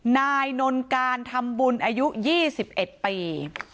นายนนการทำบุญอายุ๒๑ปี